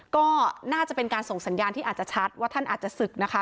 ก็น่าจะเป็นการส่งสัญญาณที่อาจจะชัดว่าท่านอาจจะศึกนะคะ